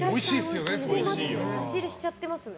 差し入れしちゃってますね。